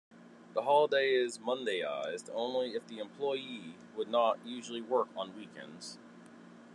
The holiday is Mondayised only if the employee would not usually work on weekends.